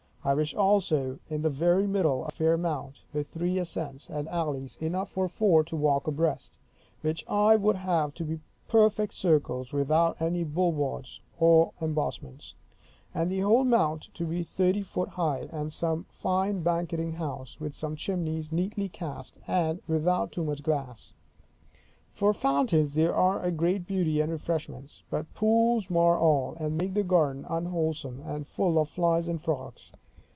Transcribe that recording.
I wish also, in the very middle, a fair mount, with three ascents, and alleys, enough for four to walk abreast; which I would have to be perfect circles, without any bulwarks or embossments; and the whole mount to be thirty foot high; and some fine banqueting house, with some chimneys neatly cast, and without too much glass. For fountains, they are a great beauty and refreshment; but pools mar all, and make the garden unwholesome, and full of flies and frogs.